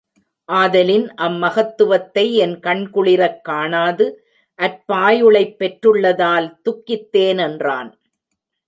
ஆதலின் அம் மகத்துவத்தை என் கண் குளிரக் காணாது அற்பாயுளைப் பெற்றுள்ளதால் துக்கித்தேனென்றான்.